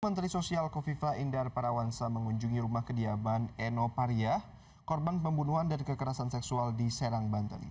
menteri sosial kofifa indar parawansa mengunjungi rumah kediaman eno pariah korban pembunuhan dan kekerasan seksual di serang banten